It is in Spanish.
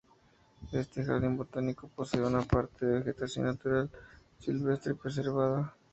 Este jardín botánico posee una parte de vegetación natural silvestre preservada.